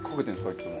いつも。